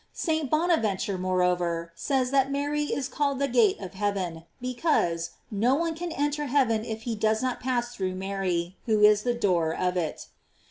f St. Bonaventure, moreover, says that Mary is called the gate of heaven, because, no one can enter heaven if he does not pass through Mary, who is the door of it.